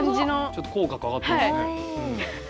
ちょっと口角上がってますね。